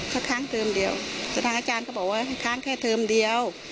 เขาค้างเทอมเดียวสถานอาจารย์เขาบอกว่าค้างแค่เทอมเดียว